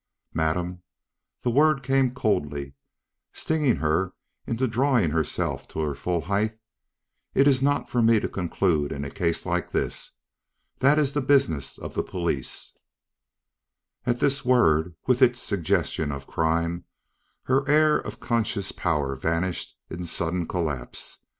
"Madam," the word came coldly, stinging her into drawing herself to her full height, "it is not for me to conclude in a case like this. That is the business of the police." At this word, with its suggestion of crime, her air of conscious power vanished in sudden collapse.